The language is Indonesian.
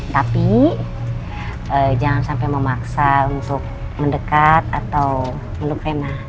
tapi jangan sampai memaksa untuk mendekat atau meneluk rena